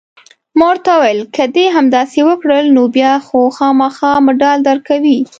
ما ورته وویل: که دې همداسې وکړل، نو بیا خو خامخا مډال درکوي.